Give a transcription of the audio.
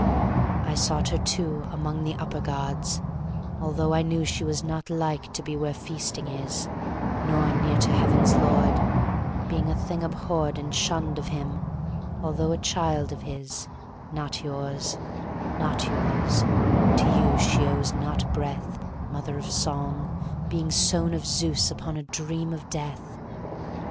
I sought her, too, Among the upper gods, although I knew She was not like to be where feasting is, Nor near to Heaven's lord, Being a thing abhorred And shunned of him, although a child of his, (Not yours, not yours; to you she owes not breath, Mother of Song, being sown of Zeus upon a dream of Death).